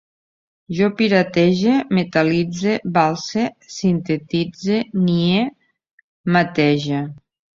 Jo piratege, metal·litze, valse, sintetitze, nie, matege